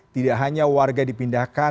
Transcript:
tidak hanya warga dipindahkan